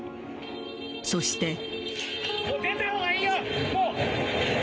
そして。